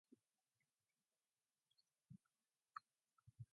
His performance was lauded as the "performance of the year" by several critics.